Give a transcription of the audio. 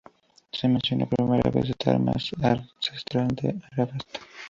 Se menciona por primera vez esta arma ancestral en Arabasta.